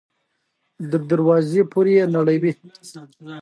ژورې سرچینې د افغانستان په هنر په اثار کې په ښه توګه منعکس کېږي.